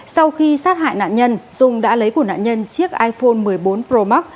sau khi sát hại nạn nhân dung đã lấy của nạn nhân chiếc iphone một mươi bốn pro max